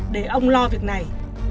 để ông lo việc này